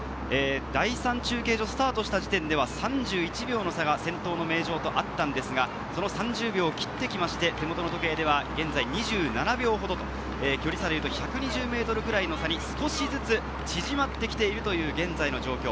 第３中継所をスタートした時点では３１秒の差が先頭の名城とあったんですが、その３０秒を切ってきまして、手元の時計では現在２７秒ほどと、距離差でいうと１２０ｍくらいの差に少しずつ縮まってきているという現在の状況。